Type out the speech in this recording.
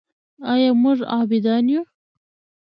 آیا موږ عابدان یو؟